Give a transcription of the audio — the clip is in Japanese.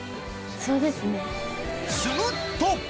そうですね。